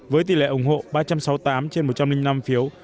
với tỷ lệ ủng hộ ba trăm sáu mươi tám trên một trăm linh năm phiếu